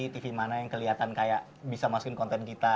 tv mana yang kelihatan kayak bisa masukin konten kita